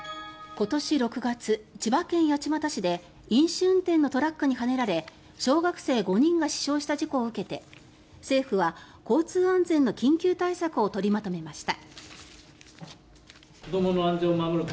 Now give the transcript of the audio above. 今年６月、千葉県八街市で飲酒運転のトラックにはねられ小学生５人が死傷した事故を受けて政府は交通安全の緊急対策を取りまとめました。